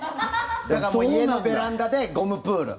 だから家のベランダでゴムプール。